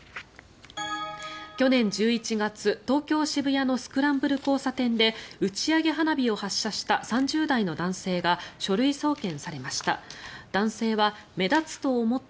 去年１１月、東京・渋谷のスクランブル交差点で打ち上げ花火を発射した３０代の男性が書類送検されました。